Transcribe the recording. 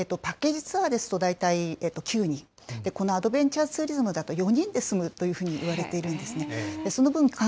パッケージツアーですと大体９人、このアドベンチャーツーリズムだと４人で済むというふうにいわれているんですね。